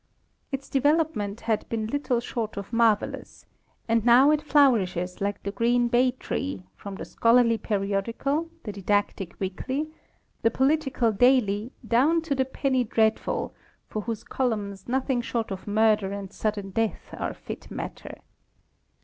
Its development has been little short of marvelous, and now it flourishes like the green bay tree, from the scholarly periodical, the didactic weekly, the political daily, down to the penny dreadful, for whose col umns nothing short of murder and sudden death are fit matter.